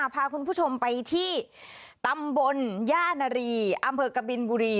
พาคุณผู้ชมไปที่ตำบลย่านารีอำเภอกบินบุรี